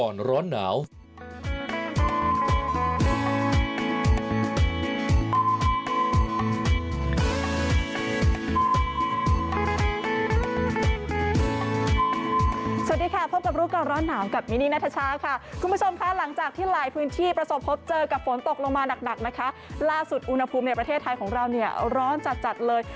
สวัสดีค่ะพบกับรู้ก่อนร้อนหนาวกับมินี่นัทชาค่ะคุณผู้ชมค่ะหลังจากที่หลายพื้นที่ประสบพบเจอกับฝนตกลงมาหนักนะคะล่าสุดอุณหภูมิในประเทศไทยของเราเนี่ยร้อนจัดจัดเลย